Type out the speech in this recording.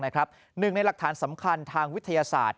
หนึ่งในหลักฐานสำคัญทางวิทยาศาสตร์